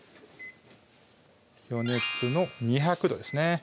予熱の２００℃ですね